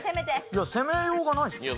攻めようがないですよ。